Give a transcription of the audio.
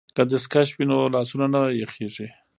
که دستکش وي نو لاسونه نه یخیږي.